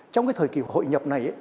trong cái thời kỳ hội nhập này